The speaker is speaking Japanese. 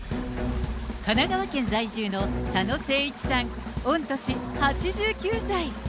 神奈川県在住の佐野誠一さん、御年８９歳。